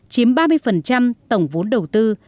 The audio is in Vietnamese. chiếm ba mươi tổng vốn đầu tư